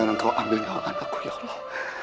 jangan kau ambil nyawa anakku ya allah